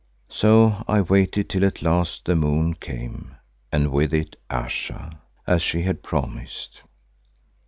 So I waited till at last the moon came and with it Ayesha, as she had promised.